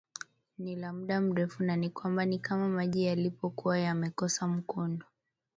ni la muda mrefu na ni kwamba ni kama maji yalipokuwa yamekosa mkondo